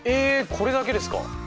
これだけですか。